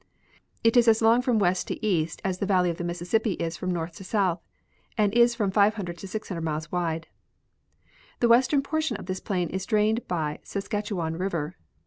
It is as long from west to east as the valley of the Mississippi is from north to south, and is from 500 to 600 miles wide. The western portion of this plain is drained by Saskatchewan river.